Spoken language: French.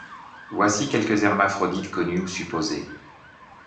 Voici quelques hermaphrodites connus ou supposés.